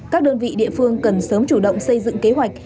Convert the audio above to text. các đơn vị địa phương cần sớm chủ động xây dựng kế hoạch